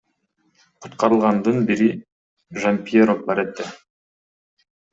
Куткарылгандардын бири Жампьеро Парете.